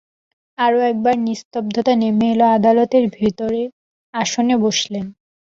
আরো একবার নিস্তব্ধতা নেমে এলো আদালতের ভেতর, আসনে বসলেন।